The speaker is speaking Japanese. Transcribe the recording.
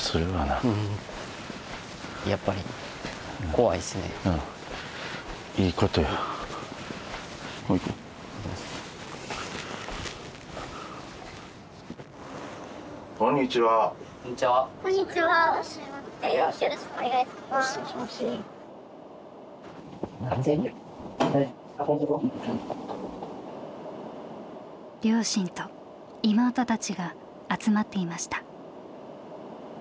両親と妹たちが集まっていました。